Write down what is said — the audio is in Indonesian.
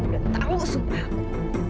sudah tahu sumpah